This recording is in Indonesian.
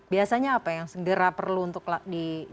biasanya apa yang segera perlu untuk dilakukan